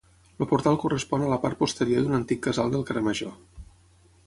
El portal correspon a la part posterior d'un antic casal del carrer Major.